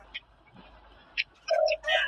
یوې ډلې ته د قرباني احساس ورکول کېږي.